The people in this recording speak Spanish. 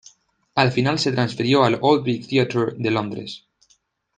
Al final se transfirió al Old Vic Theatre de Londres.